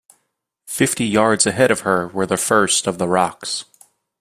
Fifty yards ahead of her were the first of the rocks.